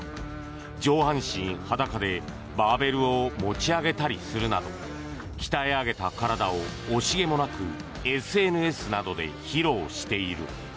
上半身裸でバーベルを持ち上げたりするなど鍛え上げた体を惜しげもなくＳＮＳなどで披露している。